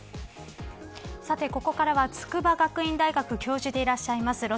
ここからは筑波学院大学教授でいらっしゃいます。